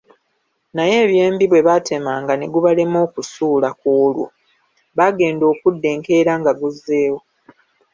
Naye eby’embi bwe baatemanga ne gubalema okusuula kw’olwo baagendanga okudda enkeera nga guzzeewo.